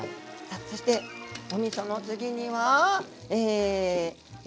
そしておみその次にはえ。